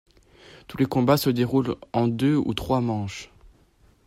Tous les combats se déroulent en deux ou trois manches.